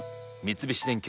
三菱電機